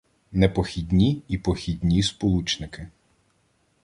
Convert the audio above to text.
Непохідні і похідні сполучники